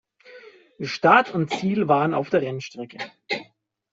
Start und Ziel waren auf der Rennstrecke.